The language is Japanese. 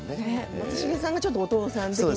松重さんが、お父さん的な。